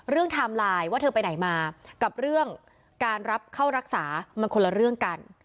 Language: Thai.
ไทม์ไลน์ว่าเธอไปไหนมากับเรื่องการรับเข้ารักษามันคนละเรื่องกัน